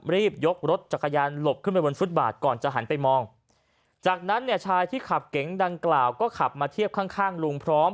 รีบยกรถจักรยานหลบขึ้นไปบนฟุตบาทก่อนจะหันไปมองจากนั้นเนี่ยชายที่ขับเก๋งดังกล่าวก็ขับมาเทียบข้างข้างลุงพร้อม